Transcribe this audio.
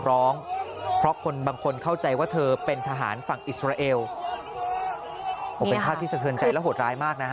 ร้องเพราะคนบางคนเข้าใจว่าเธอเป็นทหารฝั่งอิสราเอลเป็นภาพที่สะเทือนใจและโหดร้ายมากนะฮะ